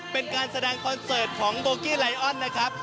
เป็นการแสดงคอนเสิร์ตของโบกี้ไลออนนะครับ